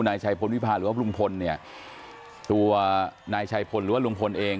นายชัยพลวิพาหรือว่าลุงพลเนี่ยตัวนายชัยพลหรือว่าลุงพลเอง